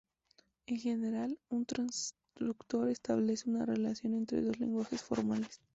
En general, un transductor establece una relación entre dos lenguajes formales.